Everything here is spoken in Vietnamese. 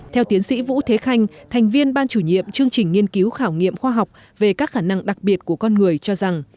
theo tiến sĩ vũ thế khanh thành viên ban chủ nhiệm chương trình nghiên cứu khảo nghiệm khoa học về các khả năng đặc biệt của con người cho rằng